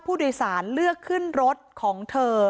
ผู้โดยสารเลือกขึ้นรถของเธอ